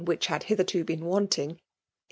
ivhich had hitherto been wanti»g> it .